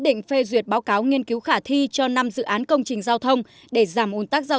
định phê duyệt báo cáo nghiên cứu khả thi cho năm dự án công trình giao thông để giảm ồn tắc giao